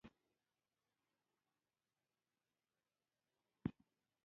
چې رحمان پکې بابا شيدا يې هېر دی